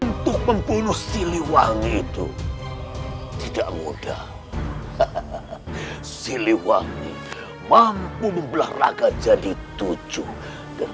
untuk membunuh siliwangi itu tidak mudah siliwangi mampu membelah raga jadi tujuh dari